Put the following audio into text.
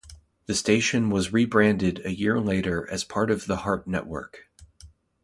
The station was rebranded a year later as part of the Heart Network.